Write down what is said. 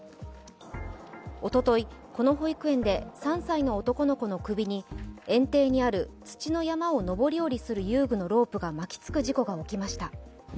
おととい、この保育園で３歳の男の子の首に園庭にある土の山を登り降りする遊具のロープが巻き付く事故が起きました。